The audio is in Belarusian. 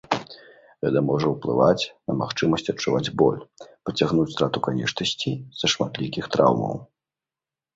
Гэта можа ўплываць на магчымасць адчуваць боль, пацягнуць страту канечнасцей з-за шматлікіх траўмаў.